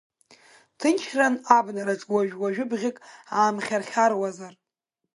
Ҭынчран абнараҿ, уажәы-уажә бӷьык аамхьархьаруазар.